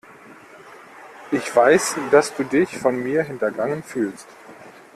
Ich weiß, dass du dich von mir hintergangen fühlst.